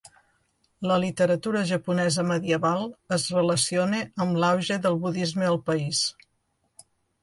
La literatura japonesa medieval es relaciona amb l'auge del budisme al país.